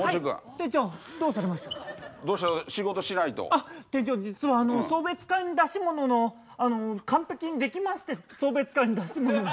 あ店長実は送別会の出し物のあの完璧にできまして送別会の出し物が。